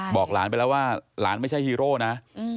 บอกหลานไปแล้วว่าหลานไม่ใช่ฮีโร่นะ